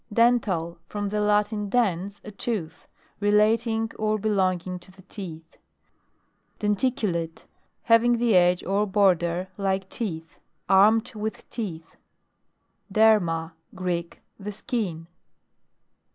DENTAL. From the Latin, dens, a tooth. Relating or belonging to the teeth. DENTICULATE. Having the edge or border like teeth. Armed with teeth. DERMA. Greek. The skin.